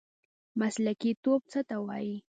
مسلکي توب څه ته وایي؟